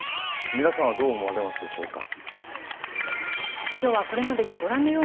皆さんはどう思われますでしょうか？